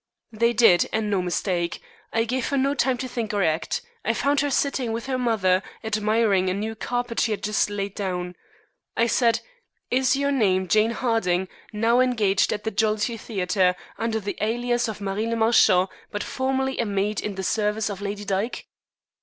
"They did, and no mistake. I gave her no time to think or act. I found her sitting with her mother, admiring a new carpet she had just laid down. I said, 'Is your name Jane Harding, now engaged at the Jollity Theatre, under the alias of Marie le Marchant, but formerly a maid in the service of Lady Dyke?'